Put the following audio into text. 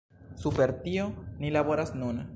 Super tio ni laboras nun.